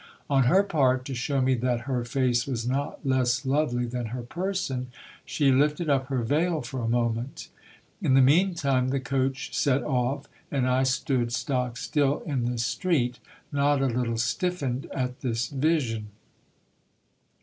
On her part, to show me that her face was not less lovely than her person, she lifted up her veil for a moment In the mean time the coach set off, and I stood stock still in the street, not a little stiffened at this vision.